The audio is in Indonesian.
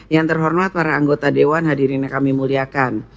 yang terhormat para anggota dewan hadirin yang kami muliakan